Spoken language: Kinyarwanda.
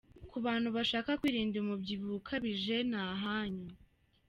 Ku bantu bashaka kwirinda umubyibuho ukabije ni ahanyu.